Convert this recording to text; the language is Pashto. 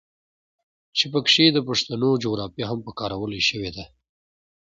چې پکښې د پښتنو جغرافيه هم پکارولے شوې ده.